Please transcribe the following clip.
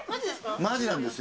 まじなんですよ。